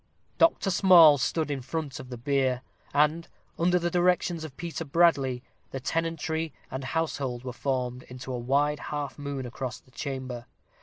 Dr. Small stood in front of the bier; and, under the directions of Peter Bradley, the tenantry and household were formed into a wide half moon across the chamber.